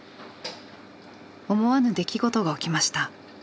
思わぬ出来事が起きました。